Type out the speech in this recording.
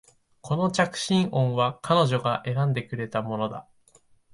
この着信音は彼女が選んでくれたものだ